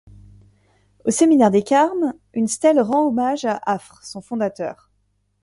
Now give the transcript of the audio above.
Au séminaire des Carmes, une stèle rend hommage à Affre, son fondateur.